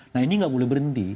nah ini nggak boleh berhenti